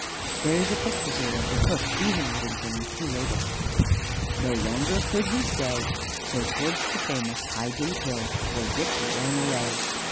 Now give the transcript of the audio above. (There is a picture here of the Cook beating Whittington with two ladles.) "No longer could he stay, So towards the famous Highgate Hill Poor Dick he ran away.